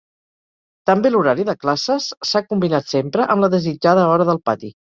També l'horari de classes s'ha combinat sempre amb la desitjada hora del pati.